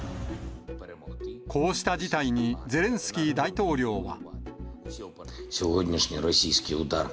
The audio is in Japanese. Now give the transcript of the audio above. こうした事態に、ゼレンスキー大統領は。